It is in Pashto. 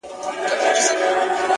اول بخښنه درڅه غواړمه زه;